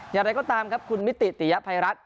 อย่างไรก็ตามครับคุณมิติติยภัยรัฐ